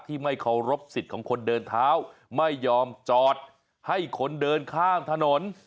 ไม่เคารพสิทธิ์ของคนเดินเท้าไม่ยอมจอดให้คนเดินข้ามถนน